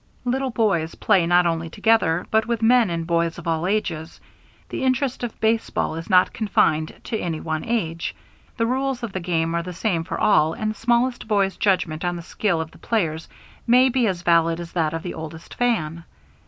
Little boys play not only together but with men and boys of all ages. The interest of baseball is not confined to any one age. The rules of the game are the same for all, and the smallest boy's judgment on the skill of the players may be as valid as that of the oldest "fan."